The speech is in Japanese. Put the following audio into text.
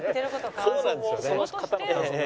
そうなんですよね。